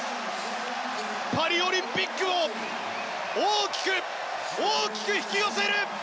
パリオリンピックを大きく大きく引き寄せる！